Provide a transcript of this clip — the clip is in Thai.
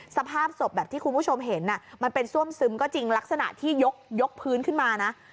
สภาพศพแบบที่คุณผู้ชมเห็นมันเป็นซ่วมซึมก็จริงลักษณะที่ยกพื้นขึ้นมานะ